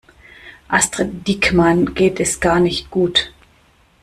Astrid Diekmann geht es gar nicht gut.